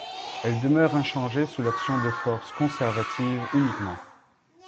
Elle demeure inchangée sous l'action de forces conservatives uniquement.